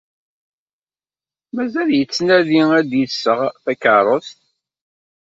Mazal yettnadi ad d-iseɣ takeṛṛust?